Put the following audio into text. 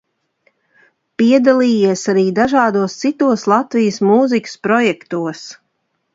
Piedalījies arī dažādos citos Latvijas mūzikas projektos.